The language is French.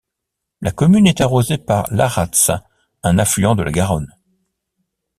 La commune est arrosée par l'Arrats un affluent de la Garonne.